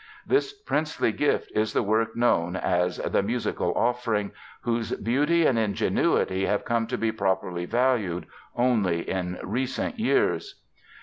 This princely gift is the work known as the Musical Offering, whose beauty and ingenuity have come to be properly valued only in recent years.